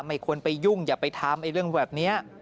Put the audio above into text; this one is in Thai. ไม่ควรไปยุ่งอย่าไปทำเรื่องแบบนี้